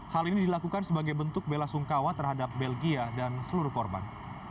hal ini dilakukan sebagai bentuk bela sungkawa terhadap belgia dan seluruh korban